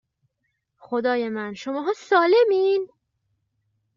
خدای من! شماها سالمین؟